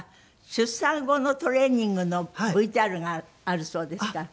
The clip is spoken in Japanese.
出産後のトレーニングのＶＴＲがあるそうですから。